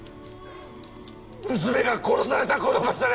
娘が殺されたこの場所で！